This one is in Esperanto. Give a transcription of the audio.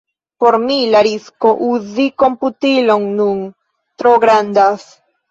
Por mi, la risko uzi komputilon nun tro grandas.